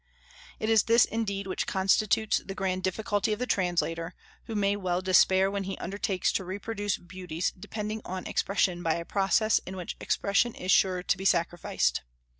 It is this, indeed, which constitutes the grand difficulty of the translator, who may well despair when he undertakes to reproduce beauties depending on expression by a process in which expression is sure to be sacrificed.